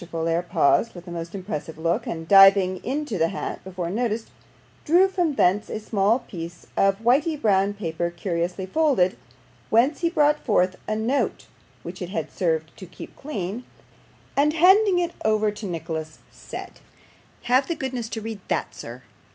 Folair paused with a most impressive look, and diving into the hat before noticed, drew from thence a small piece of whity brown paper curiously folded, whence he brought forth a note which it had served to keep clean, and handing it over to Nicholas, said 'Have the goodness to read that, sir.